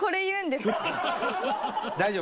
大丈夫。